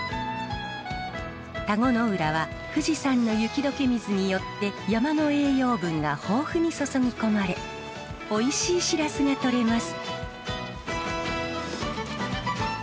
田子の浦は富士山の雪どけ水によって山の栄養分が豊富に注ぎ込まれおいしいシラスがとれます。